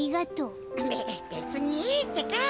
べべつにいいってか！